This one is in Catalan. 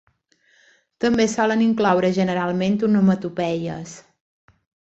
També solen incloure generalment onomatopeies.